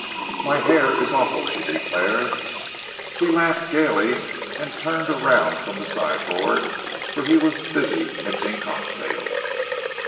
"My hair is awful," she declared: He laughed gaily, and turned around from the sideboard, where he was busy mixing cocktails.